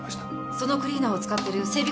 そのクリーナーを使ってる整備